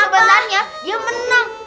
sebenarnya dia menang